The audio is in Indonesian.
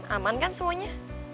aman kan semuanya